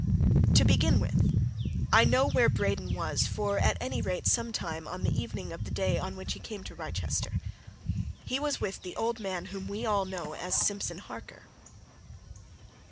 To begin with, I know where Braden was for at any rate some time on the evening of the day on which he came to Wrychester. He was with the old man whom we all know as Simpson Harker."